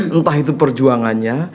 entah itu perjuangannya